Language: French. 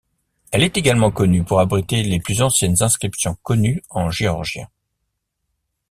Elle est également connue pour abriter les plus anciennes inscriptions connues en géorgien.